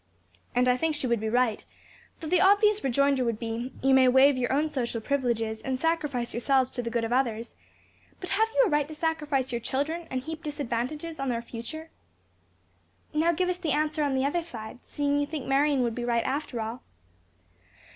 "And I think she would be right, though the obvious rejoinder would be, 'You may waive your own social privileges, and sacrifice yourselves to the good of others; but have you a right to sacrifice your children, and heap disadvantages on their future?'" "Now give us the answer on the other side, seeing you think Marion would be right after all."